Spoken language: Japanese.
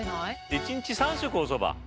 １日３食おそば？